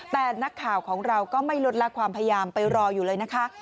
แต่นักข่าวของเราก็ไม่ลดละความพยายามไปรออยู่เลยนะคะ